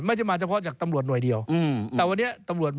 ไม่ใช่มาเฉพาะจากตำรวจหน่วยเดียว